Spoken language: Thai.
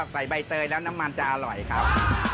ใบเตยแล้วน้ำมันจะอร่อยครับ